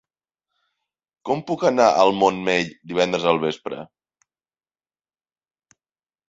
Com puc anar al Montmell divendres al vespre?